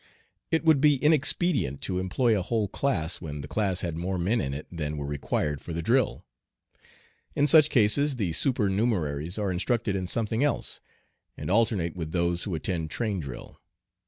It would be inexpedient to employ a whole class when the class had more men in it than were required for the drill. In such cases the supernumeraries are instructed in something else, and alternate with those who attend train drill.